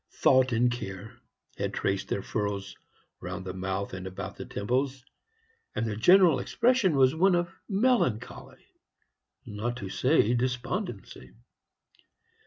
Thought and care had traced their furrows round the mouth and about the temples, and the general expression was one of melancholy, not to say despondency.